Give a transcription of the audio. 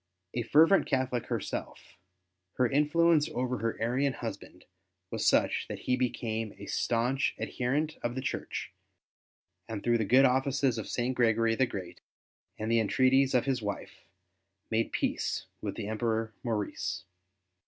A fervent Catholic herself, her in fluence over her Arian husband was such that he became a staunch adherent of the Church, and through the good offices of St. Gregory io8 ST. BENEDICT the Great, and the entreaties of his wife, made peace with the Emperor Maurice.